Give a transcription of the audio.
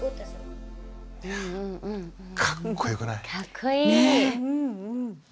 かっこよくない？